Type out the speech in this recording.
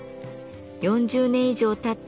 ４０年以上たった